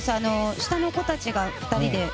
下の子たちが、２人で。